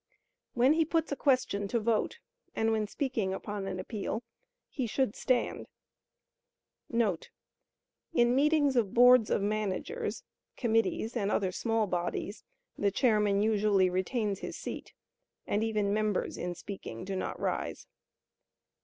When he "puts a question" to vote, and when speaking upon an appeal, he should stand;* [In meetings of boards of managers, committees and other small bodies, the chairman usually retains his seat, and even members in speaking do not rise.